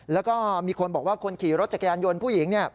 แล้วก็มีคนบอกว่าคนขี่รถจักรยานยนต์ผู้หญิง